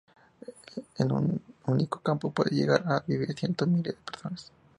En un único campo pueden llegar a vivir cientos de miles de personas.